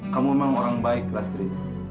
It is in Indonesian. kamu memang orang baik rastri